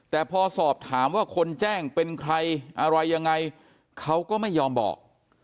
แต่พอสอบถามว่าคนแจ้งเป็นใครอะไรยังไงเขาก็ไม่ยอมบอก